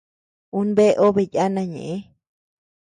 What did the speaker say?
Un bea obe yana ñeʼë.